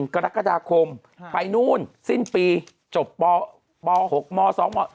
กรกฎาคมไปนู่นสิ้นปีจบป๖ม๒ม๔